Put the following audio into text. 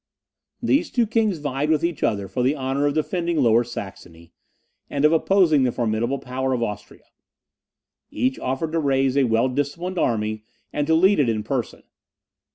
These two kings vied with each other for the honour of defending Lower Saxony, and of opposing the formidable power of Austria. Each offered to raise a well disciplined army, and to lead it in person.